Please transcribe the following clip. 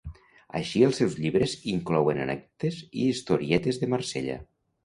Així els seus llibres inclouen anècdotes i historietes de Marsella.